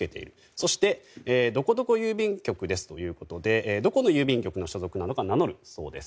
そして、どこどこ郵便局ですということでどこの郵便局の所属なのか名乗るそうです。